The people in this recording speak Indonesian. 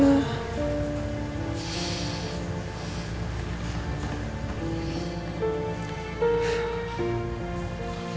ami tunggu papi